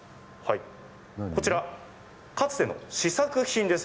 こちら、かつての試作品です。